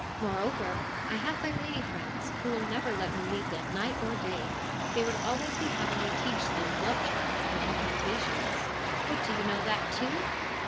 Moreover, I have my lady friends, who will never let me leave them night or day. They would always be having me teach them love charms and incantations/ ' What, do you know that, too